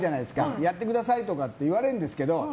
やってくださいとか言われるんですけど。